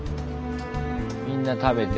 みんな食べて。